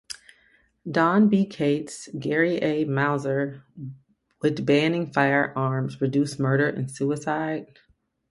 Don B. Kates, Gary A. Mauser, Would Banning Firearms Reduce Murder and Suicide?